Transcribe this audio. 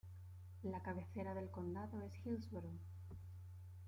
La cabecera del condado es Hillsboro.